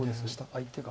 相手が。